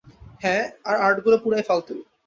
হ্যাঁ, আর আর্ট গুলা পুরাই ফালতু।